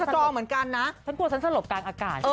ฉันกลัวฉันสลบกลางอากาศ